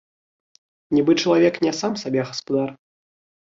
Нібы чалавек не сам сабе гаспадар.